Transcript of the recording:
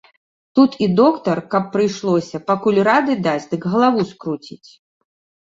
Тут і доктар, каб прыйшлося, пакуль рады дасць, дык галаву скруціць.